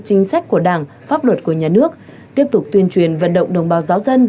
chính sách của đảng pháp luật của nhà nước tiếp tục tuyên truyền vận động đồng bào giáo dân